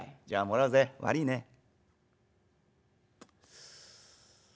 じゃあもらうぜ悪いね』」。